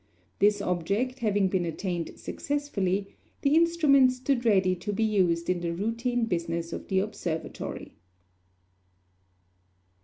This object having been attained successfully, the instrument stood ready to be used in the routine business of the observatory.